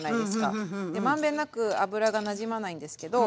満遍なく油がなじまないんですけど。